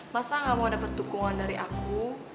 masa gak mau dapat dukungan dari aku